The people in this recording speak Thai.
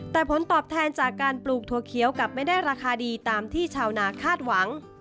แต่ผลตอบแทนจากการปลูกถั่วเขียวกลับไม่ได้ราคาดีตามที่ชาวนาคาดหวัง